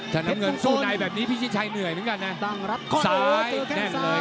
เท่านั้นเงินสู้ในแบบนี้พี่ชิชชัยเหนื่อยเหมือนกันนะตั้งรับซ้ายแน่นเลย